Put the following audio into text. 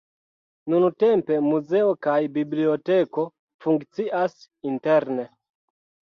Nuntempe muzeo kaj biblioteko funkcias interne.